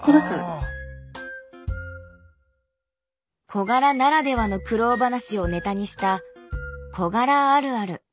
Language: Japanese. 小柄ならではの苦労話をネタにした「小柄あるある」。